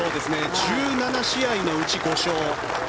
１７試合のうち５勝。